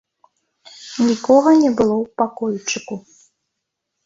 Нікога не было ў пакойчыку.